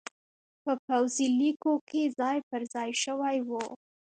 په پوځي لیکو کې ځای پرځای شوي وو